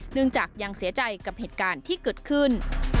เนื่องจากยังเสียใจกับเหตุการณ์ที่เกิดขึ้น